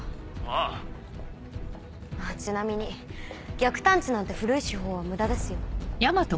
あっちなみに逆探知なんて古い手法は無駄ですよ。